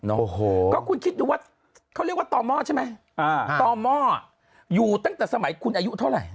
โอ้โหก็คุณคิดดูว่าเขาเรียกว่าต่อหม้อใช่ไหมอ่าต่อหม้ออยู่ตั้งแต่สมัยคุณอายุเท่าไหร่